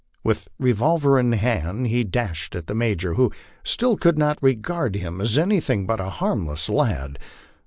With revolver in hand lie dashed at the Major, who still could not regard him as anything but a harmless lad.